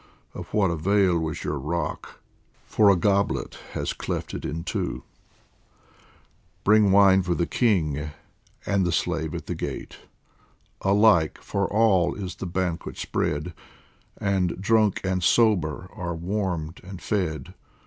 of what avail Was your rock, for a goblet has cleft it in two ! Bring wine for the king and the slave at the gate ! Alike for all is the banquet spread, And drunk and sober are warmed and fed.